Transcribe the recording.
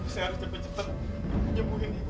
saya harus cepat cepat menyembuhin ibu